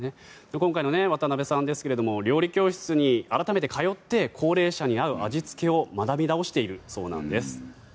今回の渡部さんですが料理教室に改めて通って高齢者に合う味付けを学びなおしているそうなんです。